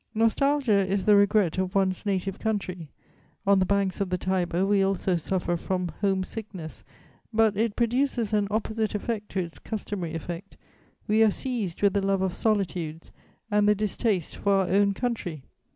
Nostalgia is the regret of one's native country; on the banks of the Tiber we also suffer from "home sickness," but it produces an opposite effect to its customary effect: we are seized with the love of solitudes and the distaste for our own country.